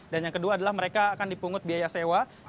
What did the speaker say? dan yang kedua adalah mereka akan dipungut biaya sewa